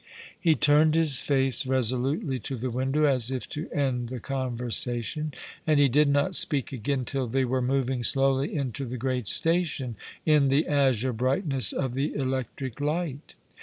He turned his face resolutely to the window, as if to end the conversation, and he did not speak again till they were moving slowly into the great station, in the azure brightness of the electric light.